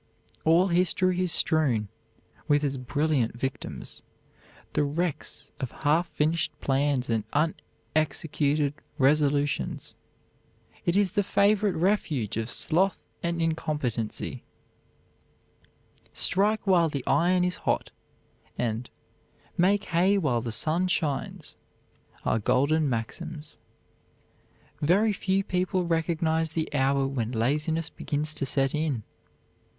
All history is strewn with its brilliant victims, the wrecks of half finished plans and unexecuted resolutions. It is the favorite refuge of sloth and incompetency. "Strike while the iron is hot," and "Make hay while the sun shines," are golden maxims. Very few people recognize the hour when laziness begins to set in.